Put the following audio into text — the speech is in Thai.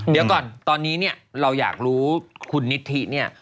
เดี๋ยวก่อนตอนนี้เราอยากรู้คุณนิทธิ